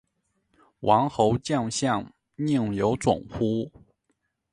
王侯将相，宁有种乎